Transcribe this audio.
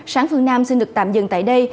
sáng phương nam xin được tạm dừng tại đây